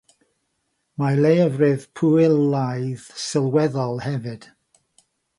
Mae lleiafrif Pwylaidd sylweddol hefyd.